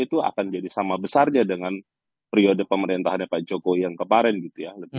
itu akan jadi sama besarnya dengan periode pemerintahannya pak jokowi yang kemarin gitu ya